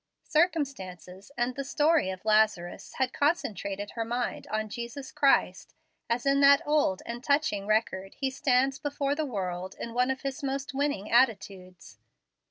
Circumstances, and the story of Lazarus, had concentrated her mind on Jesus Christ, as in that old and touching record He stands before the world in one of His most winning attitudes.